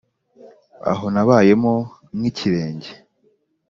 aho nabayemo nk'ikirenge